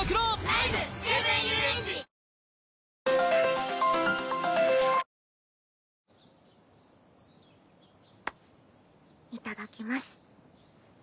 パンいただきます。